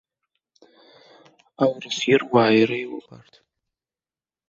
Аурыс ируаа иреиуоуп арҭ.